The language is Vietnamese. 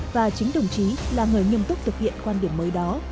và chính đồng chí là người nghiêm túc thực hiện quan điểm mới đó